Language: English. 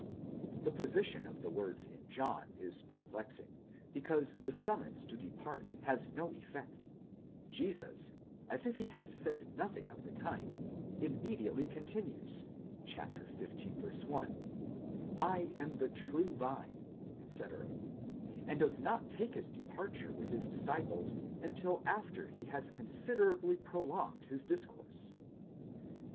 'The position of the words in John is perplexing, because the summons to depart has no effect ; Jesus, as if he had said nothing of the kind, immediately continues (xv. 1), Z am the true vine, etc., and does. not take his departure with his disciples until after he has considerably pro longed his discourse.